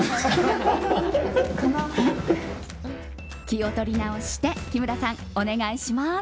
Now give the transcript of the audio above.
気を取り直して木村さん、お願いします。